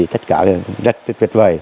tất cả rất tuyệt vời